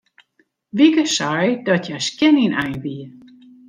Wieke sei dat hja skjin ynein wie.